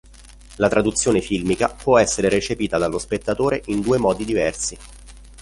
La traduzione filmica può essere recepita dallo spettatore in due modi diversi.